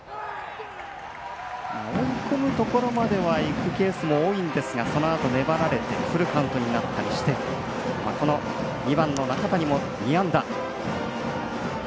追い込むところまではいくケースが多いんですがそのあと粘られてフルカウントになったりして２番、中谷も２安打。